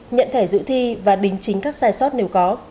nhận thẻ dự thi và đính chính các sai sót nếu có